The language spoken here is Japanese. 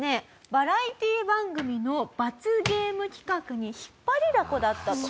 バラエティー番組の罰ゲーム企画に引っ張りだこだったと。